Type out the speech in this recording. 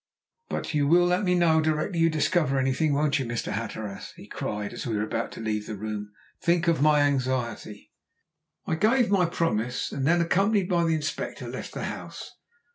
"But you will let me know directly you discover anything, won't you, Mr. Hatteras?" he cried as we were about to leave the room. "Think of my anxiety." I gave my promise and then, accompanied by the Inspector, left the house.